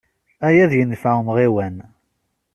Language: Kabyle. Aya ad yenfeɛ amɣiwan.